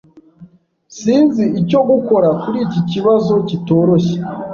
Sinzi icyo gukora kuri iki kibazo kitoroshye.